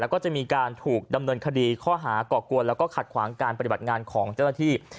แล้วก็จะมีการถูกดำเนินคดีข้อหาก่อกวนแล้วก็ขัดขวางการปฏิบัติงานของเจ้าหน้าที่